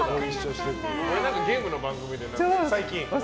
ゲームの番組で最近。